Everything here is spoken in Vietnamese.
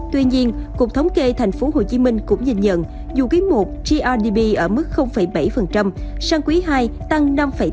tuy nhiên cục thống kê tp hcm cũng nhìn nhận dù quý i grdp ở mức bảy sang quý ii tăng năm tám